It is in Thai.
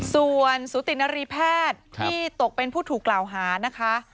ส่วนสุตินรีแพทย์ที่ตกเป็นผู้ถูกกล่าวหานะคะ